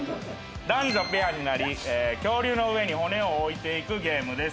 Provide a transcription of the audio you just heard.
男女ペアになり恐竜の上に骨を置いていくゲームです。